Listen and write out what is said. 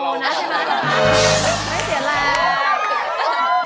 ไม่เสียแรง